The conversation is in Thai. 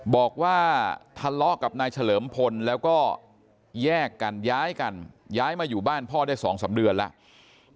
บอกว่าทะเลาะกับนายเฉลิมพลแล้วก็แยกกันย้ายกันย้ายมาอยู่บ้านพ่อได้๒๓เดือนแล้ว